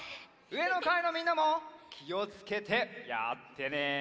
うえのかいのみんなもきをつけてやってね！